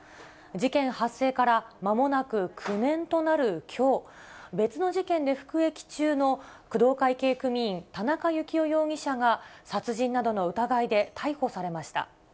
事件発生からまもなく９年となるきょう、別の事件で服役中の工藤会系組員、田中幸雄容疑者が、殺人などの疑いで逮捕されました。